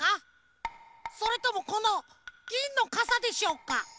それともこのぎんのかさでしょうか？